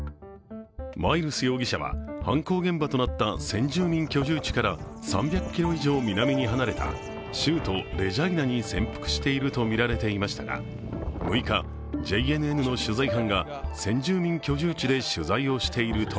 マイルス容疑者は、犯行現場となった先住民居住地から３００ｋｍ以上南に離れた州都レジャイナに潜伏しているとみられていましたが６日、ＪＮＮの取材班が先住民居住地で取材をしていると